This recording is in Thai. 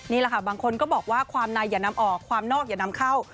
นี่แหละค่ะบางคนก็บอกว่าความในอย่านำออกความนอกอย่านำเข้า